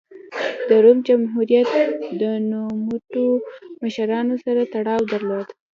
د روم جمهوریت د نوموتو مشرانو سره تړاو درلود.